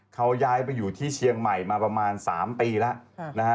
เขาย้ายไปอยู่ที่เชียงใหม่มาประมาณ๓ปีแล้วนะฮะ